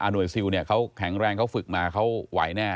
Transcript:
หน่วยซิลเขาแข็งแรงเขาฝึกมาเขาไหวแน่